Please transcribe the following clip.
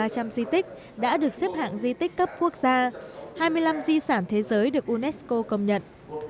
ba trăm linh di tích đã được xếp hạng di tích cấp quốc gia hai mươi năm di sản thế giới được unesco công nhận